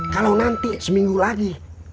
kalau nanti seminggu lagi